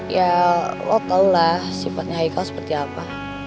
ya lo tau lah sifatnya haikal seperti apa